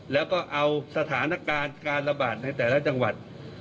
แล้วก็เอาสถานการณ์การระบาดในแต่ละจังหวัด